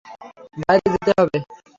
বাইরে যেতে হবে।